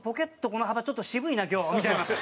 この幅ちょっと渋いな今日」みたいな。